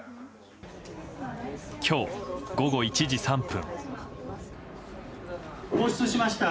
今日午後１時３分。